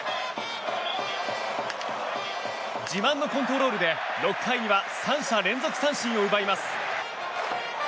自慢のコントロールで、６回には３者連続三振を奪います。